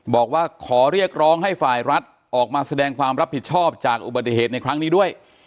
บอกว่าขอเรียกร้องให้ฝ่ายรัฐออกมาแสดงความรับผิดชอบจากอุบัติเหตุในครั้งนี้ด้วย